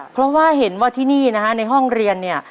เพราะว่าเห็นว่าที่นี่นะฮะในห้องเรียนเนี่ย